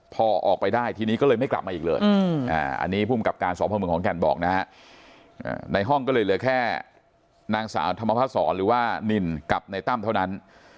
พอออกไปได้ทีนี้ก็เลยไม่กลับมาอีกเลยอันนี้ภูมิกับการสอบพ่อเมืองขอนแก่นบอกนะฮะในห้องก็เลยเหลือแค่นางสาวธรรมพศรหรือว่านินกับในตั้มเท่านั้น